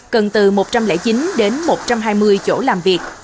cần từ một trăm linh chín đến một trăm hai mươi chỗ làm việc